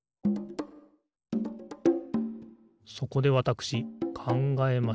そこでわたくしかんがえました。